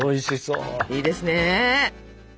いいですね。